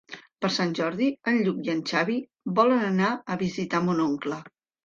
Per Sant Jordi en Lluc i en Xavi volen anar a visitar mon oncle.